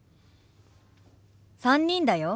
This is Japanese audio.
３人だよ。